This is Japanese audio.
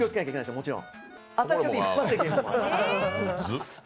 もちろん。